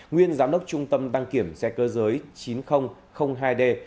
nguyên giám đốc trung tâm đăng kiểm xe cơ giới chín nghìn hai d